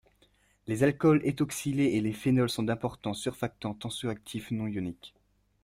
Les alcools éthoxylés et les phénols sont d'importants surfactants tensioactifs non ioniques.